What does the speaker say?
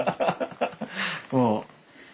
もう。